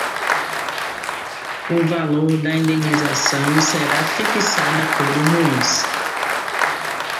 O valor da indenização será fixado pelo juiz